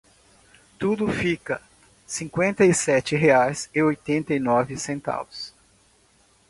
Tudo fica cinquenta e sete reais e oitenta e nove centavos.